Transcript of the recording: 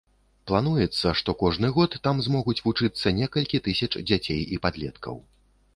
Плануецца, што кожны год там змогуць вучыцца некалькі тысяч дзяцей і падлеткаў.